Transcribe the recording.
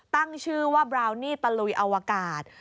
ตั้งชื่อว่าบราวนี่ตะลุยอวกาศ